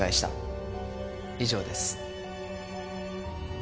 以上です。